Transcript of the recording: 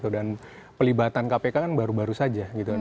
dan pelibatan kpk kan baru baru saja gitu